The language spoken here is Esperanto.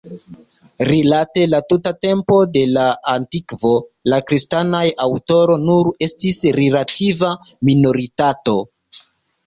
Rilate la tuta tempo de la antikvo la kristanaj aŭtoroj nur estis relativa minoritato.